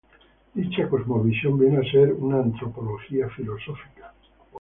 Dicha cosmovisión viene a ser una antropología filosófica.